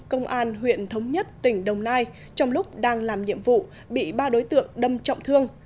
công an huyện thống nhất tỉnh đồng nai trong lúc đang làm nhiệm vụ bị ba đối tượng đâm trọng thương